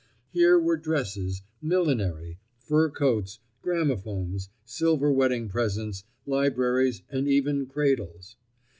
Here were dresses, millinery, fur coats, gramophones, silver wedding presents, libraries and even cradles.